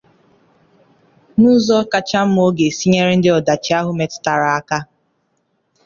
na ụzọ kacha mma ọ ga-esi nyere ndị ọdachi ahụ metụtara aka